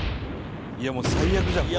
「いやもう最悪じゃんこれ」